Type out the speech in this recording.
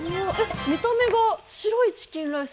見た目が白いチキンライス